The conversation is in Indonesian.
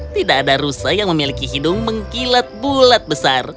tidak ada rusa yang memiliki hidung mengkilat bulat besar